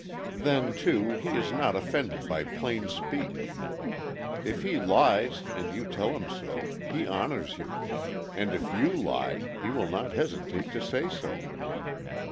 Then, too, he is not offended by plain speech. If he lies and you tell him so, he honors you; and if you lie, he will not hesitate to say so.